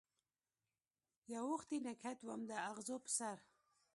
یووختي نګهت وم داغزو په سر